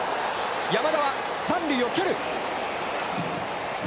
山田は三塁を蹴る！